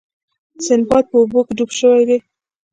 سنباد په اوبو کې ډوب شوی دی.